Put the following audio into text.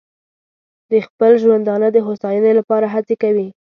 د خپل ژوندانه د هوساینې لپاره هڅې کوي.